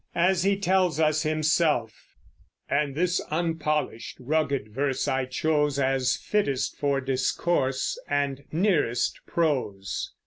As he tells us himself: And this unpolished rugged verse I chose As fittest for discourse, and nearest prose.